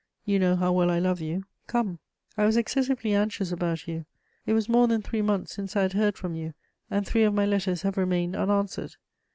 You know how well I love you: come. "I was excessively anxious about you: it was more than three months since I had heard from you, and three of my letters have remained unanswered.